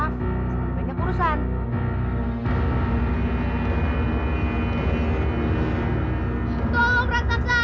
masaklah aku balikkan duitnya aku raksasa